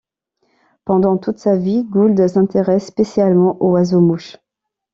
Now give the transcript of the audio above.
Pendant toute sa vie, Gould s'intéresse spécialement aux oiseaux-mouches.